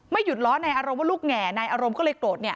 หยุดล้อในอารมณ์ว่าลูกแห่นายอารมณ์ก็เลยโกรธเนี่ย